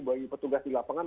bagi petugas di lapangan